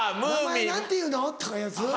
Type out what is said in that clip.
「名前何ていうの？」とかいう。